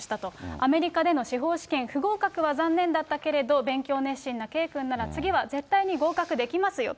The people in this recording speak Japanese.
アメリカでの司法試験不合格は残念だったけれど、勉強熱心な圭君なら、次は絶対に合格できますよと。